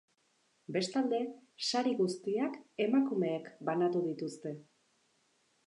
Bestalde, sari guztiak emakumeek banatu dituzte.